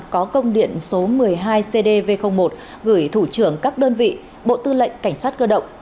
có công điện số một mươi hai cdv một gửi thủ trưởng các đơn vị bộ tư lệnh cảnh sát cơ động